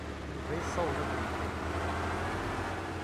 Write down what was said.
Yuba yessaweḍ ad yeg ayenni.